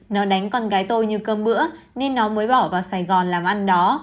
nó đánh con gái tôi như cơm bữa nên nó mới bỏ vào sài gòn làm ăn đó